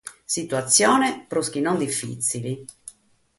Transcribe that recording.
Situatzione prus chi non difìtzile.